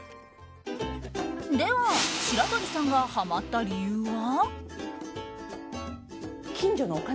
では、白鳥さんがハマった理由は？